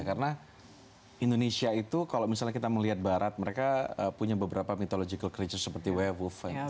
karena indonesia itu kalau misalnya kita melihat barat mereka punya beberapa mythological creatures seperti werewolf vampires